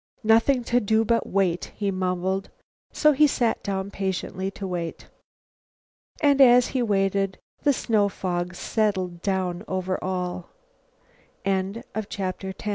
"Nothing to do but wait," he mumbled, so he sat down patiently to wait. And, as he waited, the snow fog settled down over all. CHAPTER XI "WITHO